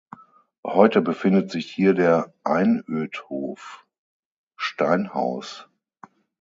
Heute befindet sich hier der Einödhof Steinhaus.